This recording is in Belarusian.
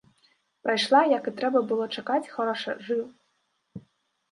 Прайшла, як і трэба было чакаць, хораша, жыва.